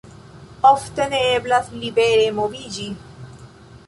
Ofte ne eblas libere moviĝi.